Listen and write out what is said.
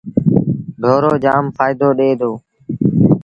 ڍورو جآم ڦآئيدو ڏي دو۔